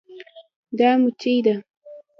دا مچي ده